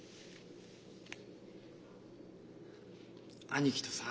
兄貴とさ。